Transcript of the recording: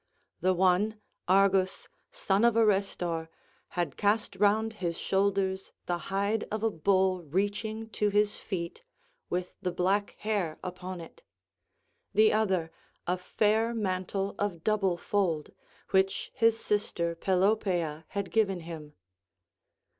The one, Argus, son of Arestor, had cast round his shoulders the hide of a bull reaching to his feet, with the black hair upon it, the other, a fair mantle of double fold, which his sister Pelopeia had given him.